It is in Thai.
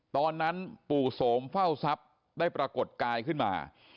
ตอนนั้นปู่โสมเฝ้าทรัพย์ได้ปรากฏกายขึ้นมา